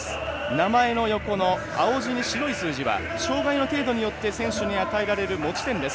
名前の横の青字に白い数字は障がいの程度によって選手に与えられる持ち点です。